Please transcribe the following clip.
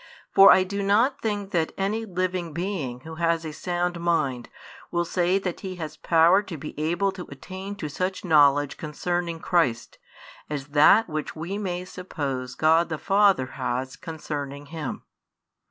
For I do |82 not think that any living being who has a sound mind will say that he has power to be able to attain to such knowledge concerning Christ as that which we may suppose God the Father has concerning Him.